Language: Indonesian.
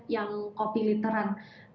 yang kopi literan